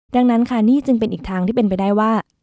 ดังนั้นค่ะนี่จึงเป็นอีกทางที่เป็นไปได้ว่า